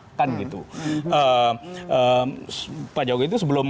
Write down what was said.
memang harus jelas itu bahwa pak jokowi tidak boleh berpihak